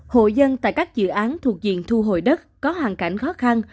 hộ dân tại các dự án thuộc diện thu hồi đất có hoàn cảnh khó khăn